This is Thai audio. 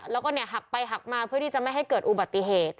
แล้วก็หักไปหักมาเพื่อที่จะไม่ให้เกิดอุบัติเหตุ